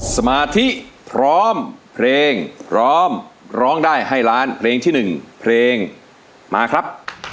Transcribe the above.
สมาธิพร้อมเพลงพร้อมร้องได้ให้ล้านเพลงที่๑เพลงมาครับ